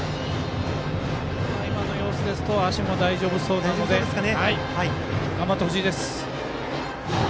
今の様子ですと足も大丈夫そうなので頑張ってほしいです。